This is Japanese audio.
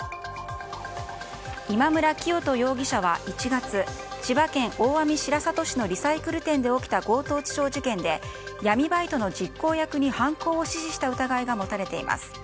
今村磨人容疑者は１月千葉県大網白里市のリサイクル店で起きた強盗致傷事件で闇バイトの実行役に犯行を指示した疑いが持たれています。